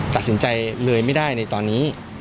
ตัดสินใจเลยไม่ได้ในตอนนี้